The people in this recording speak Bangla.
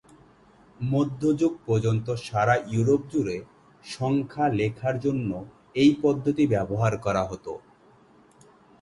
মধ্যযুগ পর্যন্ত সারা ইউরোপ জুড়ে সংখ্যা লেখার জন্য এই পদ্ধতি ব্যবহার করা হত।